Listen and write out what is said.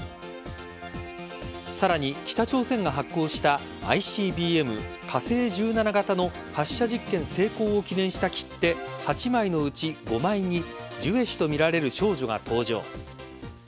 さらに北朝鮮が発行したＩＣＢＭ火星１７型の発射実験成功を記念した切手８枚のうち５枚にジュエ氏とみられる少女が登場。